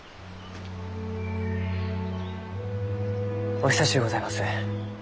お久しゅうございます。